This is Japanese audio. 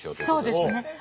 そうですね。